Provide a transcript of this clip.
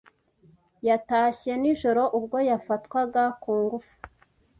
yatashye nijoro ubwo yafatwaga ku ngufu.